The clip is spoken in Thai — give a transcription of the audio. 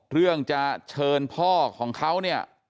เรื่องจะเชิญพ่อของเขาเนี่ย